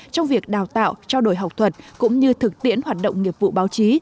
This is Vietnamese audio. trong việc đào tạo trao đổi học thuật cũng như thực tiễn hoạt động nghiệp vụ báo chí